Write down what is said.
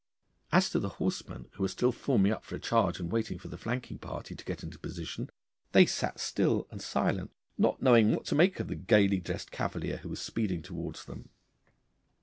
As to the horsemen, who were still forming up for a charge and waiting for the flanking party to get into position, they sat still and silent, not knowing what to make of the gaily dressed cavalier who was speeding towards them.